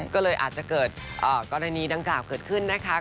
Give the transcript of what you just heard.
ก็เลยอาจจะเกิดกรณีดังกล่าวเกิดขึ้นนะคะ